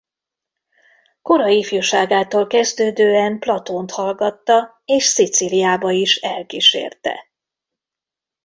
Kora ifjúságától kezdődően Platónt hallgatta és Szicíliába is elkísérte.